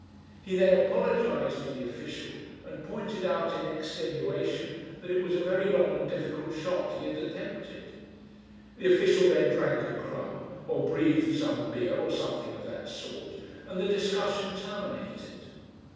He then apologised to the official and pointed out in extenuation that it was a very long and difficult shot he had attempted. The official then drank a crumb, or breathed some beer, or something of that sort, and the discussion terminated.